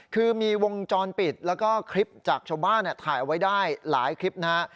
คือมีวงจรปิดแล้วก็คลิปจากชาวบ้านถ่ายเอาไว้ได้หลายคลิปนะฮะ